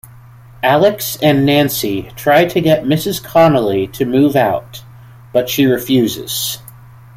Alex and Nancy try to get Mrs. Connelly to move out, but she refuses.